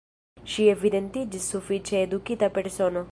Ŝi evidentiĝis sufiĉe edukita persono.